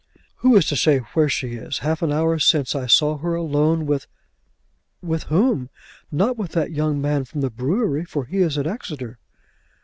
"Who is to say where she is? Half an hour since I saw her alone with " "With whom? Not with that young man from the brewery, for he is at Exeter."